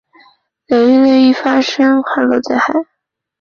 流域内易发生旱涝灾害。